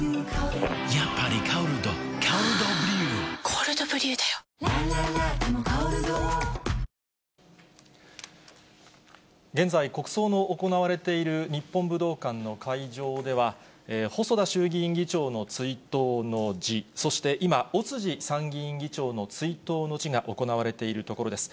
このあと、現在、国葬の行われている日本武道館の会場では、細田衆議院議長の追悼の辞、そして今、尾辻参議院議長の追悼の辞が行われているところです。